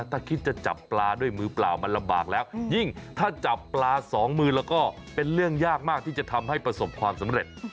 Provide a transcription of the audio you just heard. ถ้าคิดจะจับปลาด้วยมือเปล่ามันลำบากแล้วยิ่งถ้าจับปลาสองมือแล้วก็เป็นเรื่องยากมากที่จะทำให้ประสบความสำเร็จ